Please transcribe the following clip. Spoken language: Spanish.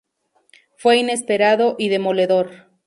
Fue inesperado y demoledor.